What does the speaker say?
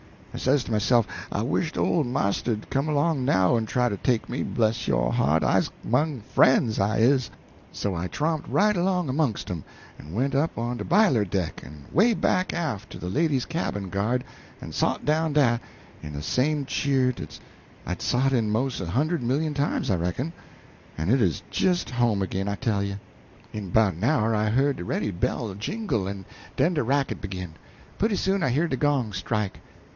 I says to myself, I wished old marster'd come along now en try to take me bless yo' heart, I's 'mong frien's, I is. So I tromped right along 'mongst 'em, en went up on de b'iler deck en 'way back aft to de ladies' cabin guard, en sot down dah in de same cheer dat I'd sot in 'mos' a hund'd million times, I reckon; en it 'uz jist home ag'in, I tell you! "In 'bout an hour I heard de ready bell jingle, en den de racket begin. Putty soon I hear de gong strike.